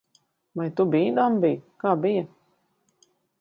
Vai tu biji dambī? Kā bija?